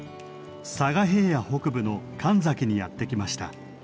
佐賀平野北部の神埼にやって来ました。